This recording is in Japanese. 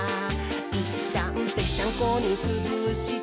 「いったんぺっちゃんこにつぶして」